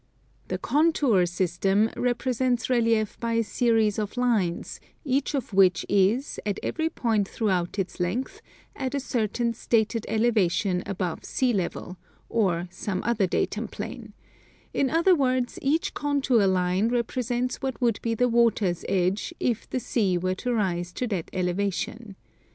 The contour system represents i elief by a series of lines, each of which is, at every point throughout its length, at a certain stated elevation above sea level, or some other datum plane ; in other words, each contour line represents what would be the water's edge, if the sea were to rise to that elevation.